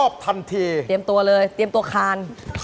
ยังนะยัง